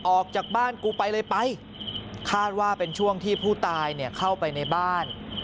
ออกจากบ้านกูไปเลยไปคาดว่าเป็นช่วงที่ผู้ตายเนี่ยเข้าไปในบ้าน